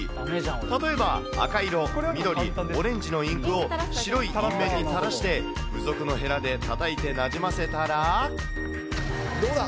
例えば、赤色、緑、オレンジのインクを白い印面に垂らして、付属のへらでたたいてなどうだ？